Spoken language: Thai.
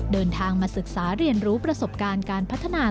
เดินทางมาศึกษาเรียนรู้ประสบการณ์การพัฒนา